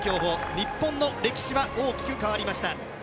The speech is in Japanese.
日本の歴史は大きく変わりました。